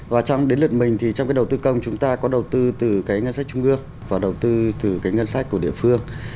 và đến lượt mình thì trong đầu tư công chúng ta có đầu tư từ ngân sách trung ương và đầu tư từ ngân sách của địa phương